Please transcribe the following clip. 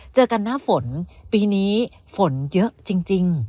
เจอกันหน้าฝนปีนี้ฝนเยอะจริง